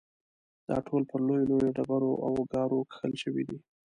دا ټول پر لویو لویو ډبرو او ګارو کښل شوي دي.